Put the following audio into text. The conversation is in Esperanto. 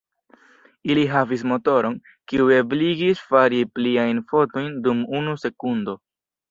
Ili havis motoron, kiu ebligis fari pliajn fotojn dum unu sekundo.